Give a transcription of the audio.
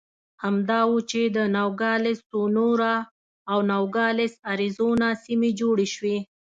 همدا و چې د نوګالس سونورا او نوګالس اریزونا سیمې جوړې شوې.